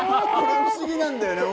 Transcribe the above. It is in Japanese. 不思議なんだよね。